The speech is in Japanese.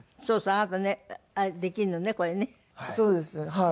はい。